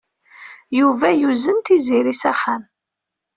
Yuba yuzen Tiziri s axxam.